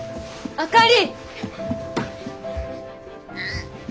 あかり！